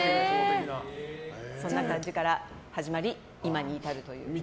そんな感じから始まり今に至るという。